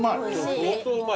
相当うまい。